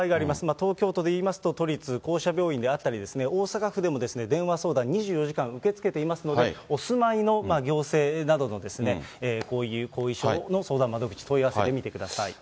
東京都でいいますと、都立、公社病院であったり、大阪でも電話相談、２４時間受け付けていますので、お住まいの行政などのこういう後遺症の相談窓口、問い合わせてみてください。